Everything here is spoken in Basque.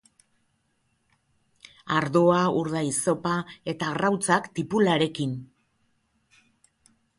Ardoa, urdai-zopa, eta arrautzak tipularekin.